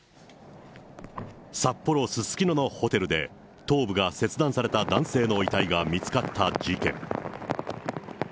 札幌・すすきののホテルで、頭部が切断された男性の遺体が見つかった事件。